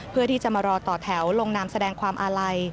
เพื่อที่จะมารอต่อแถวลงนามแสดงความอาลัย